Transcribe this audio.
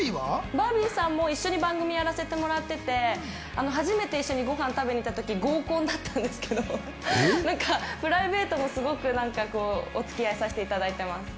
バービーさんも一緒に番組をやらせてもらっていて、初めて一緒にご飯食べに行った時、合コンだったんですけど、プライベートもすごく一緒にお付き合いさせていただいています。